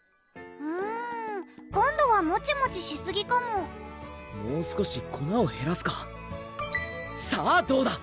うん今度はモチモチしすぎかももう少し粉をへらすかさぁどうだ！